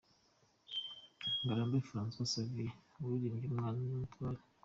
Ngarambe Francois Xavier waririmbye ’Umwana ni Umutware’.